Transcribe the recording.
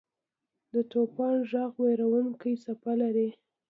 د طوفان ږغ وېرونکې څپه لري.